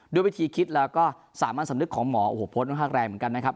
ด้วยวิธีคิดแล้วก็สามารถสำนึกของหมอโอโหพลดน้องฮากแรงเหมือนกันนะครับ